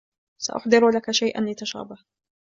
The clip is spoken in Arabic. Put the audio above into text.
ساُحضِر لكَ شيئاُ لتشربهُ.